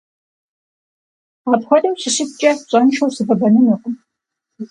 Апхуэдэу щыщыткӀэ, пщӀэншэу сывэбэнынукъым.